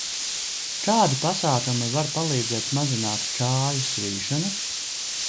Kādi pasākumi var palīdzēt mazināt kāju svīšanu?